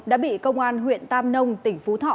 đã bị công an huyện tam nông tỉnh phú thọ